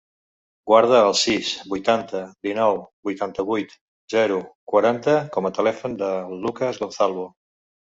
Guarda el sis, vuitanta, dinou, vuitanta-vuit, zero, quatre com a telèfon del Lucas Gonzalvo.